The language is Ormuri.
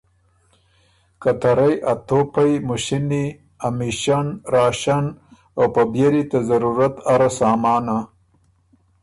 که ته رئ ا توپئ، مُشینی، امیشن، راشن، او په بيېلي ته ضرورت اره سامانه